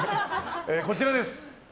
こちらです。